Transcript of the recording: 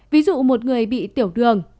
ví dụ một người bị tiểu đường